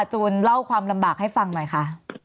จูนเล่าความลำบากให้ฟังหน่อยค่ะ